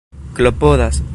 klopodas